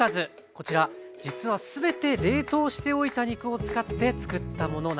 こちら実は全て冷凍しておいた肉を使ってつくったものなんです。